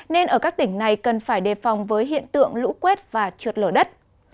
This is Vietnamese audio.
nên ở các tỉnh này cần phải đề phòng với hiện tượng lũ quét và trượt lở đất